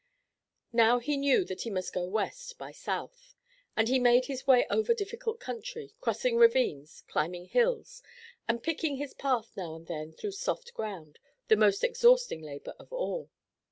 Now he knew that he must go west by south, and he made his way over difficult country, crossing ravines, climbing hills, and picking his path now and then through soft ground, the most exhausting labor of all.